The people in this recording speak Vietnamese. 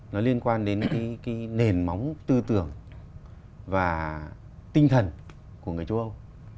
nó liên quan đến cái nền móng tư tưởng và tinh thần của người châu âu